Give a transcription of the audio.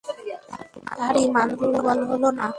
তার ইমান দুর্বল হল না।